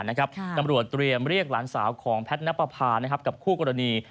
ตำรวจเตรียมเรียกหลานสาวของแพทย์นับประพากับคู่กรณี